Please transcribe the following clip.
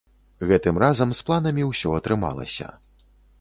Гэтым разам з планамі ўсё атрымалася.